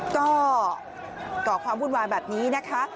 ก็ก่อความวุ่นวายแบบนี้นะคะ